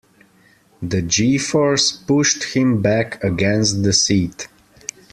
The G-force pushed him back against the seat.